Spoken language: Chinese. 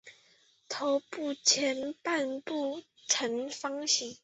头部前半部呈方形。